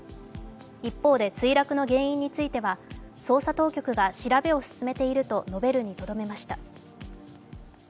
一方で墜落の原因については捜査当局が調べを進めていると述べるにとどめました。